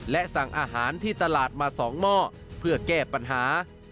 และสั่งอาหารที่ตลาดมา๒หม้อเพื่อแก้ปัญหา